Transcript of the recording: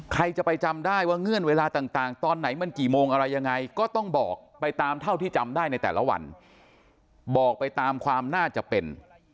ใครจะไปจำได้ว่าเงื่อนเวลาต่างตอนไหนมันกี่โมงอะไรยังไงก็ต้องบอกไปตามเท่าที่จำได้ในแต่ละวันบอกไปตามความน่าจะเป็น